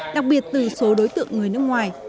đặc biệt từ số đối tượng người nước ngoài